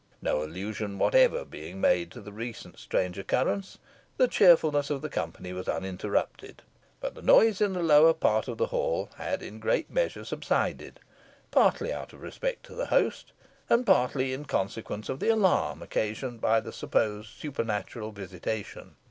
No allusion whatever being made to the recent strange occurrence, the cheerfulness of the company was uninterrupted; but the noise in the lower part of the hall had in a great measure subsided, partly out of respect to the host, and partly in consequence of the alarm occasioned by the supposed supernatural visitation.